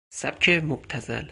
سبک مبتذل